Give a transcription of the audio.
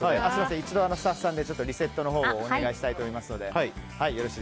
一度スタッフさんでリセットをお願いしたいと思います。